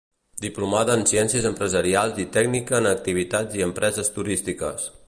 Diplomada en ciències empresarials i tècnica en activitats i empreses turístiques.